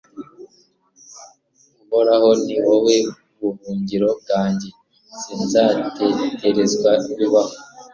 uhoraho, ni wowe buhungiro bwanjye, sinzateterezwa bibaho